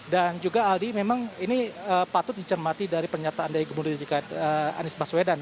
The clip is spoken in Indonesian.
dan juga aldi memang ini patut dicermati dari pernyataan dari pemprov dki anies baswedan